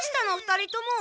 ２人とも。